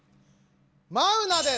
マウナです。